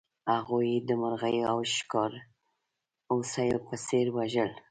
هغوی یې د مرغیو او ښکار هوسیو په څېر وژل.